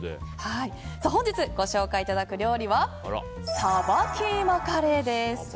本日ご紹介いただく料理はサバキーマカレーです。